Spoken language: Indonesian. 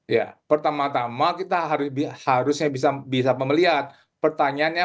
ya pertama tama kita harusnya bisa melihat pertanyaannya